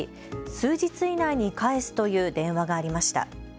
数日以内に返すという電話がありました。